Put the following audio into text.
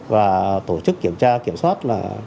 và tổ chức kiểm tra kiểm soát